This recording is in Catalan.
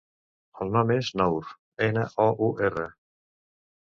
El nom és Nour: ena, o, u, erra.